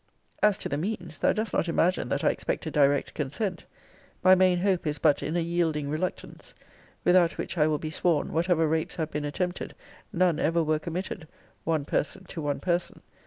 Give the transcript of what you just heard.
As to the means, thou dost not imagine that I expect a direct consent. My main hope is but in a yielding reluctance; without which I will be sworn, whatever rapes have been attempted, none ever were committed, one person to one person.